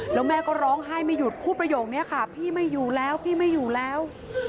แล้วแม่ก็ร้องไห้ไม่หยุดพูดประโยคนี้ค่ะพี่ไม่อยู่แล้วพี่ไม่อยู่แล้ว